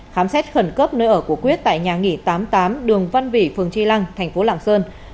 khám xét khẩn cấp nơi ở của quyết tại nhà nghỉ tám mươi tám đường văn vị phường tri lăng thành phố lạng sơn